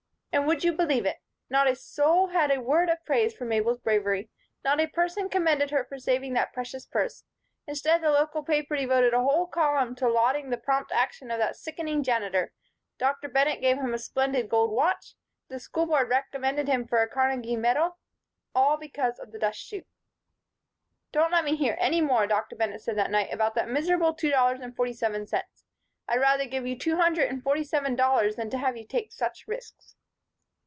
And would you believe it! Not a soul had a word of praise for Mabel's bravery. Not a person commended her for saving that precious purse. Instead, the local paper devoted a whole column to lauding the prompt action of that sickening Janitor, Dr. Bennett gave him a splendid gold watch, the School Board recommended him for a Carnegie medal all because of the dust chute. "Don't let me hear any more," Dr. Bennett said that night, "about that miserable two dollars and forty seven cents. I'd rather give you two hundred and forty seven dollars than have you take such risks."